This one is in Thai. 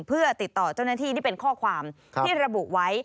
เพื่อติดต่อเจ้าหน้าที่นี่เป็นข้อความที่ระบุไว้